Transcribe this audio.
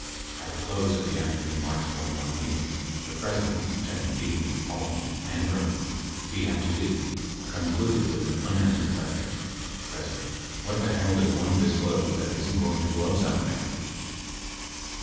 At the close of the afternoon March 21 meeting, the President, telling Dean, Haldeman and Ehrlichman he had to leave, concluded with an unanswered ques tion : P. What the hell does one disclose that isn't going to blow something?